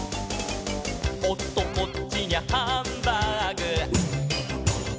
「おっとこっちにゃハンバーグ」